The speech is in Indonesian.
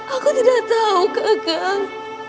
aku tidak tahu kakak